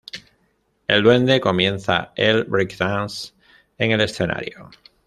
El duende comienza el breakdance en el escenario.